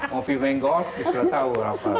mau filmenggol dia sudah tahu